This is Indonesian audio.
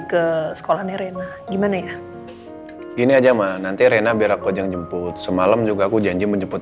ke sekolahnya rena gimana ya gini aja mah nanti rena berapa jemput semalam juga aku janji menjemput